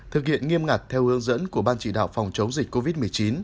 thực hiện nghiêm ngặt theo hướng dẫn của ban chỉ đạo phòng chống dịch covid một mươi chín